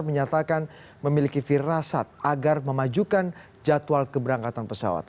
menyatakan memiliki firasat agar memajukan jadwal keberangkatan pesawat